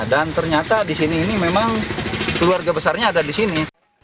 dan ternyata di sini ini memang keluarga besarnya ada di sini